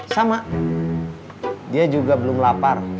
sama dia juga belum lapar